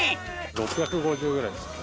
６５０ぐらいですかね。